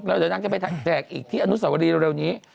แล้วเดี๋ยวนางจะไปแจกอีกที่อนุสวรีเร็วนี้